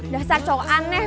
dasar cowok aneh